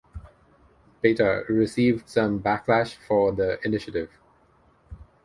Beta received some backlash for the initiative.